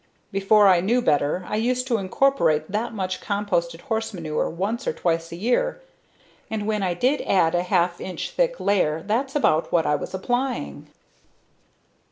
Before I knew better I used to incorporate that much composted horse manure once or twice a year and when I did add a half inch thick layer that's about what I was applying.